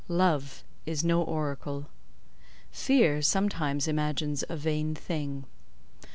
Love is no oracle. Fear sometimes imagines a vain thing.